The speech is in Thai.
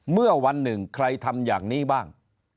เมื่อวันหนึ่งใครทำอย่างนี้บ้าง